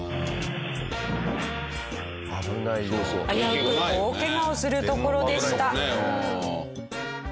危うく大ケガをするところでした。